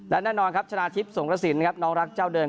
และแน่นอนครับชนะทิพย์สงกระสินครับน้องรักเจ้าเดิม